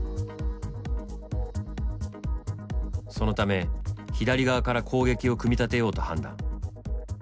そのため左側から攻撃を組み立てようと判断。